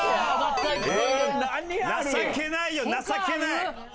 情けないよ情けない！